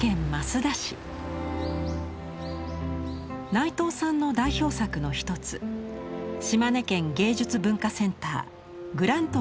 内藤さんの代表作の一つ島根県芸術文化センター「グラントワ」があります。